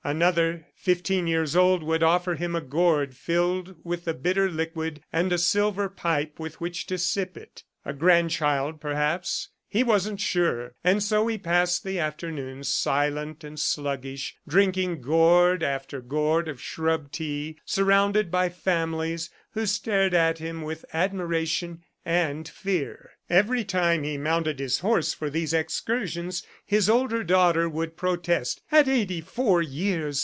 Another, fifteen years old, would offer him a gourd filled with the bitter liquid and a silver pipe with which to sip it. ... A grandchild, perhaps he wasn't sure. And so he passed the afternoons, silent and sluggish, drinking gourd after gourd of shrub tea, surrounded by families who stared at him with admiration and fear. Every time he mounted his horse for these excursions, his older daughter would protest. "At eighty four years!